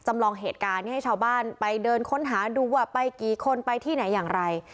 ลองเหตุการณ์ให้ชาวบ้านไปเดินค้นหาดูว่าไปกี่คนไปที่ไหนอย่างไร